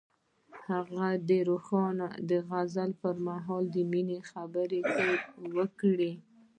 هغه د روښانه غزل پر مهال د مینې خبرې وکړې.